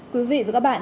quý vị và các bạn